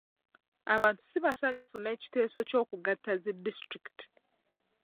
Abantu si basanyufu n'ekiteeso ky'okugatta zi disitulikiti .